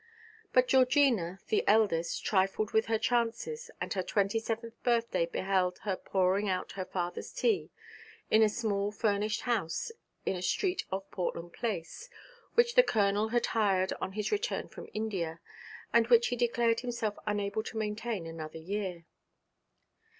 But Georgina, the eldest, trifled with her chances, and her twenty seventh birthday beheld her pouring out her father's tea in a small furnished house in a street off Portland Place, which the Colonel had hired on his return from India, and which he declared himself unable to maintain another year.